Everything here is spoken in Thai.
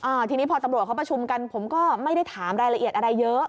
ทีนี้พอตำรวจเขาประชุมกันผมก็ไม่ได้ถามรายละเอียดอะไรเยอะ